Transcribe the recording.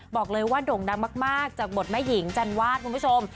บอกเลยว่าโด่งดังมากจากบทแม่หญิงจันวาดคุณผู้ชม